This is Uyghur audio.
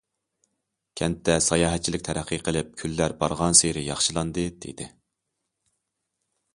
كەنتتە ساياھەتچىلىك تەرەققىي قىلىپ، كۈنلەر بارغانسېرى ياخشىلاندى، دېدى.